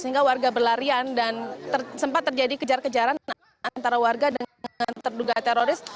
sehingga warga berlarian dan sempat terjadi kejar kejaran antara warga dengan terduga teroris